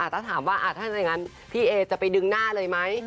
ถ้าถามว่าถ้าอย่างนั้นพี่เอจะไปดึงหน้าเลยไหม